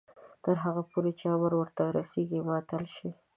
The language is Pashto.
تر هغو پورې چې امر ورته رسیږي معطل شي.